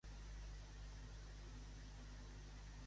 Navarro triomfa en el món de la tecnologia des de Silicon Valley.